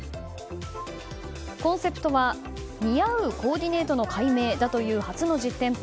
コンセプトは似合うコーディネートの解明だという初の実店舗。